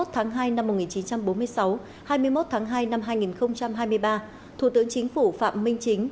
hai mươi tháng hai năm một nghìn chín trăm bốn mươi sáu hai mươi một tháng hai năm hai nghìn hai mươi ba thủ tướng chính phủ phạm minh chính